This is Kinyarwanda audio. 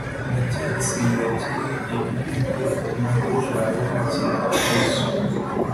ndacyayisenga yakinnye ibiyiko naho jabo akina kazoo